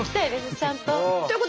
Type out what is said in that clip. ちゃんと。